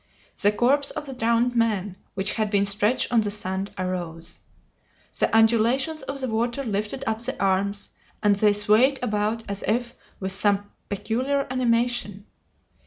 The corpse of the drowned man which had been stretched on the sand arose! The undulations of the water lifted up the arms, and they swayed about as if with some peculiar animation.